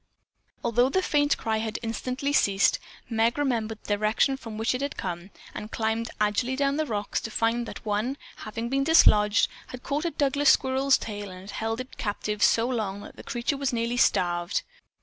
Although the faint cry had instantly ceased, Meg remembered the direction from which it had come and climbed agilely down the rocks to find that one, having been dislodged, had caught a Douglas squirrel's tail and had held it captive so long that the creature was nearly starved.